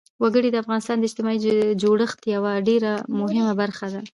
وګړي د افغانستان د اجتماعي جوړښت یوه ډېره مهمه برخه ده.